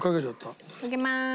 かけまーす。